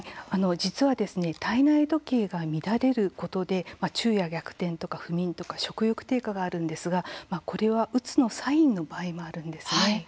実は体内時計が乱れることで昼夜逆転とか不眠とか食欲低下があるんですがこれはうつのサインの場合もあるんです。